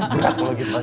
berat kalau gitu pak